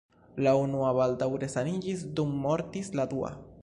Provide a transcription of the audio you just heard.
La unua baldaŭ resaniĝis, dum mortis la dua.